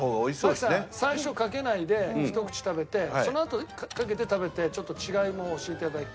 マキさん最初かけないでひと口食べてそのあとかけて食べてちょっと違いもお教え頂きたい。